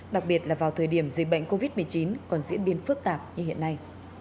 đặc biệt là vào thời điểm dịch bệnh covid một mươi chín còn diễn biến phức tạp như hiện nay